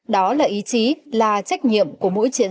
đó là ý chí là trách nhiệm của mỗi chiến sĩ